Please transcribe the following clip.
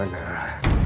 kau mau dimana